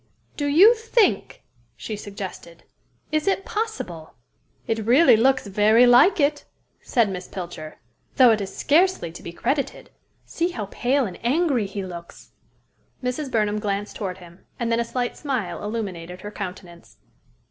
"Do you think" she suggested. "Is it possible" "It really looks very like it," said Miss Pilcher; "though it is scarcely to be credited. See how pale and angry he looks." Mrs. Burnham glanced toward him, and then a slight smile illuminated her countenance.